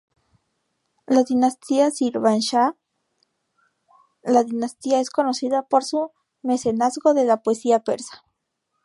La dinastía Shirvanshah la dinastía es conocida por su mecenazgo de la poesía persa.